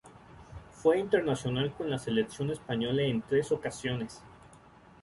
Fue internacional con la selección española en tres ocasiones.